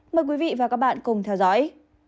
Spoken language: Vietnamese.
mời quý vị và các bạn cùng theo dõi